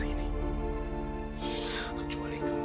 kak ica kenapa kak